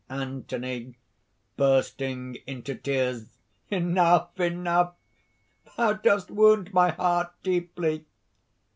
ANTHONY (bursting into tears). "Enough! enough! thou dost wound my heart deeply."